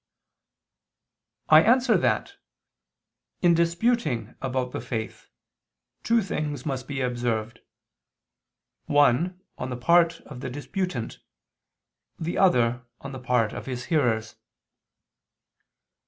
I answer that, In disputing about the faith, two things must be observed: one on the part of the disputant; the other on the part of his hearers.